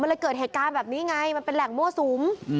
เลยเกิดเหตุการณ์แบบนี้ไงมันเป็นแหล่งมั่วสุม